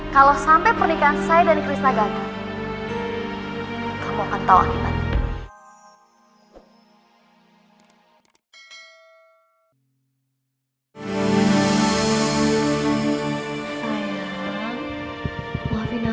kalau sampai pernikahan saya dan krishna gata